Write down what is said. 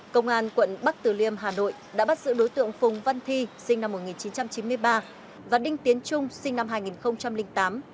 công an quận bắc từ liêm hà nội đã bắt giữ đối tượng phùng văn thi sinh năm một nghìn chín trăm chín mươi ba và đinh tiến trung sinh năm hai nghìn tám